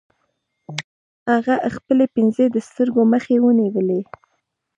هغه خپلې پنجې د سترګو مخې ته ونیولې